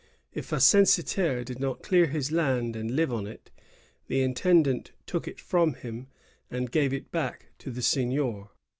If a censitaire did not clear his land and live on it, the intendant took it from him and gave it back to the seignior.